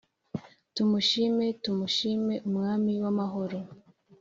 Tumushime tumushime umwami w’amahoro